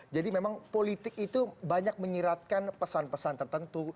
jadi memang politik itu banyak menyiratkan pesan pesan tertentu